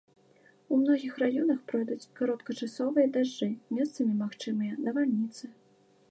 У многіх раёнах пройдуць кароткачасовыя дажджы, месцамі магчымыя навальніцы.